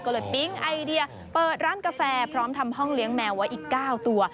ก็เลยปิ๊งไอเดียเปิดร้านกาแฟพร้อมทำห้องเลี้ยงแมวไว้อีก๙ตัว